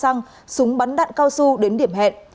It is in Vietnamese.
lâm đã đặt bom xăng súng bắn đạn cao su đến điểm hẹn